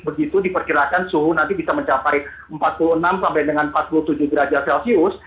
begitu diperkirakan suhu nanti bisa mencapai empat puluh enam sampai dengan empat puluh tujuh derajat celcius